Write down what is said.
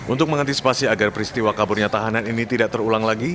untuk mengantisipasi agar peristiwa kaburnya tahanan ini tidak terulang lagi